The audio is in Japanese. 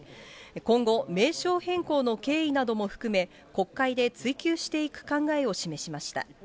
今後、名称変更の経緯なども含め、国会で追及していく考えを示しました。